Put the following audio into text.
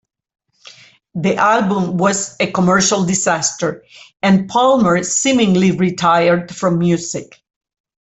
The album was a commercial disaster, and Palmer seemingly retired from music.